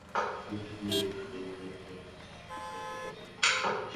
নিহত গৃহবধূর লাশের ময়নাতদন্ত বরিশাল শের-ই-বাংলা মেডিকেল কলেজ হাসপাতালে সম্পন্ন হয়েছে।